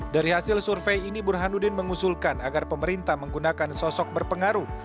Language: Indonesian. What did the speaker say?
dari hasil survei ini burhanuddin mengusulkan agar pemerintah menggunakan sosok berpengaruh